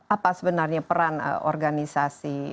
apa sebenarnya peran organisasi